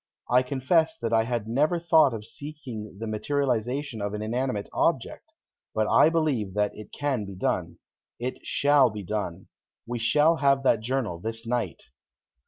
I confess that I had never thought of seeking the materialization of an inanimate object. But I believe that it can be done. It shall be done. We shall have that journal this night."